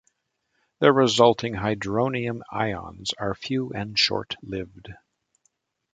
The resulting hydronium ions are few and short-lived.